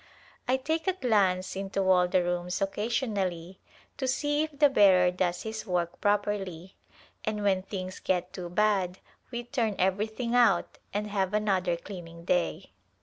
I take a glance into all the rooms occa sionally to see if the bearer does his work properly, and [M7] A Glimpse of India when things get too bad we turn everything out and have another cleaning day.